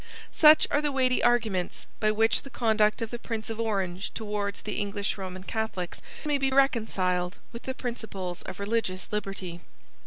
Such are the weighty arguments by which the conduct of the Prince of Orange towards the English Roman Catholics may be reconciled with the principles of religious liberty.